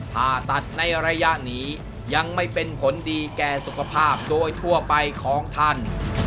ผ่าตัดในระยะนี้ยังไม่เป็นผลดีแก่สุขภาพโดยทั่วไปของท่าน